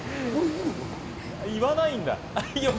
言わないんだ。